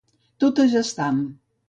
Tot és estam.